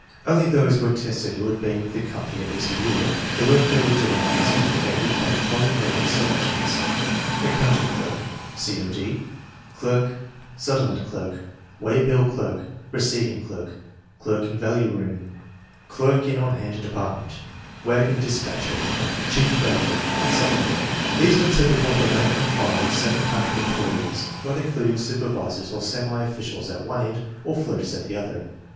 Only those were tested who had been with the company at least a year. The work they were do ing is indicated by the following random selections: Accounting Clerk, C.O.D. Clerk, Settlement Clerk, Waybill Clerk, Receiving Clerk, Clerk in Value Room, Clerk in On Hand Department, Wagon Dispatcher, Chief Router, etc. These were typical of the rank and file of seven hundred employees, not including super visors or semi officials at one end or floaters at the other.